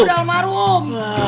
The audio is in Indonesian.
jangan suka su huzon